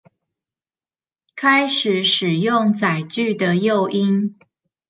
開始使用載具的誘因